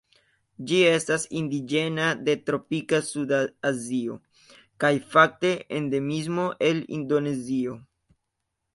Ĝi estas indiĝena de tropika suda Azio, kaj fakte endemismo el Indonezio.